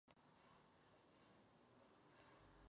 Posteriormente graban algunas piezas en Orfeón.